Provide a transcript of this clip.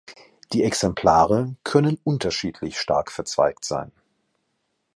Die Exemplare können unterschiedlich stark verzweigt sein.